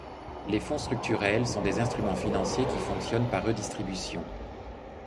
Les Fonds structurels sont des instruments financiers qui fonctionnent par redistribution.